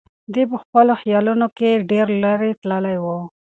دی په خپلو خیالونو کې ډېر لرې تللی و.